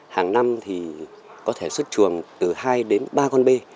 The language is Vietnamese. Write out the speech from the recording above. hàng năm thì có thể xuất chuồng từ hai đến ba con bê